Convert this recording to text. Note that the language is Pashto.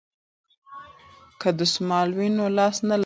که دستمال وي نو لاس نه لمدیږي.